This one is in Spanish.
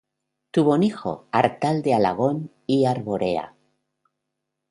Tuvo un hijo, Artal de Alagón y Arborea.